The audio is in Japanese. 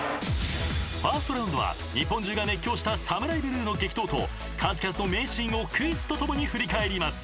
［ファーストラウンドは日本中が熱狂したＳＡＭＵＲＡＩＢＬＵＥの激闘と数々の名シーンをクイズとともに振り返ります］